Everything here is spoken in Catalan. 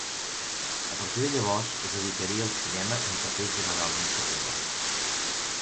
A partir de llavors es dedicaria al cinema en papers generalment secundaris.